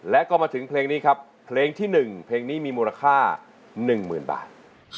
และก็มาถึงเพลงนี้ครับเพลงที่๑เพลงนี้มีมูลค่า๑๐๐๐บาท